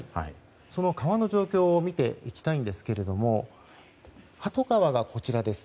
その川の状況を見ていきたいんですが鳩川がこちらです。